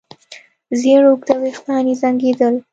زېړ اوږده وېښتان يې زانګېدل.